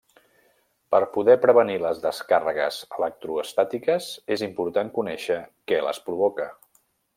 Per poder prevenir les descàrregues electroestàtiques, és important conèixer què les provoca.